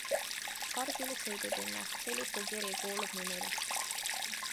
Kardilik sõidutunne - see lipukiri kuulub Minile.